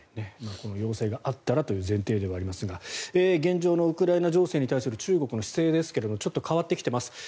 この要請があったらという前提ではありますが現状のウクライナ情勢に対する中国の姿勢ですがちょっと変わってきています。